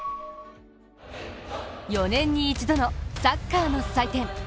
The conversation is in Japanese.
４年に一度のサッカーの祭典ＦＩＦＡ